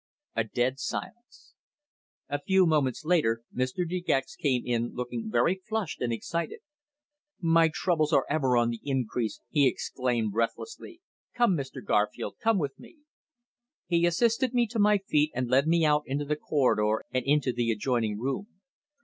A dead silence! A few moments later Mr. De Gex came in looking very flushed and excited. "My troubles are ever on the increase," he exclaimed breathlessly. "Come, Mr. Garfield. Come with me." He assisted me to my feet and led me out into the corridor and into the adjoining room.